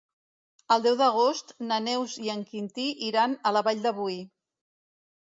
El deu d'agost na Neus i en Quintí iran a la Vall de Boí.